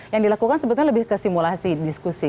yang dilakukan sebetulnya lebih ke simulasi diskusi